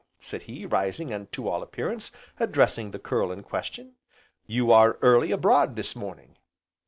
said he, rising and, to all appearance, addressing the curl in question, "you are early abroad this morning!"